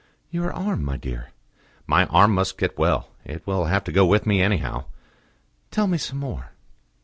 "Your arm, my dear?" "My arm must get well. It will have to go with me, anyhow." "Tell me some more."